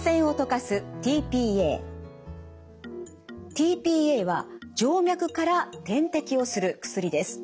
ｔ−ＰＡは静脈から点滴をする薬です。